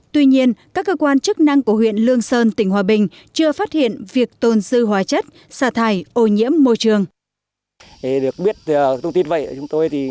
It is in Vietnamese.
tuy nhiên các cơ quan chức năng của huyện lương sơn tỉnh hòa bình chưa phát hiện việc tôn dư hóa chất xả thải ô nhiễm môi trường